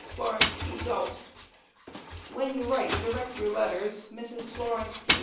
FLARECE P. GAULT. When you write direct yoo letters Mrs. Flarece P.